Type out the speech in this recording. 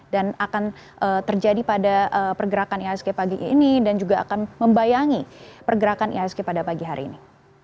dan akan terjadi pada pergerakan ihsg pagi ini dan juga akan membayangi pergerakan ihsg pada pagi hari ini